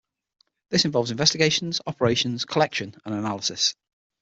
This involves investigations, operations, collection and analysis.